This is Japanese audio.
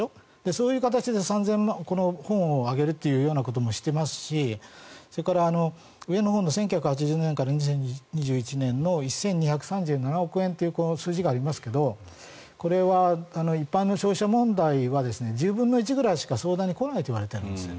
そういう形でこの本をあげるということもしていますしそれから上のほうの１９８７年から２０２１年の１２３７億円というこの数字がありますがこれは、一般の消費者問題は１０分の１ぐらいしか相談に来ないといわれているんです。